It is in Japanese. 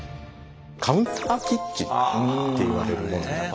カウンターキッチンって言われるもの。